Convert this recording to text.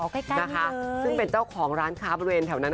ใกล้นะคะซึ่งเป็นเจ้าของร้านค้าบริเวณแถวนั้น